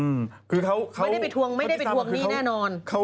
ไม่ได้ไปทวงหนี้แน่นอน